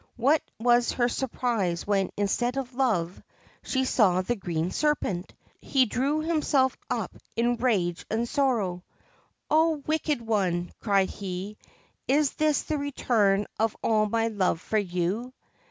What was her surprise when, instead of Love, she saw the Green Serpent ! He drew himself up in rage and sorrow :' O wicked one I ' cried he ; 'is this the return for all my love for you